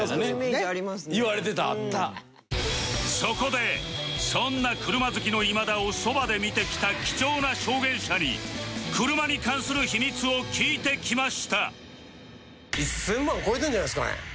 そこでそんな車好きの今田をそばで見てきた貴重な証言者に車に関する秘密を聞いてきました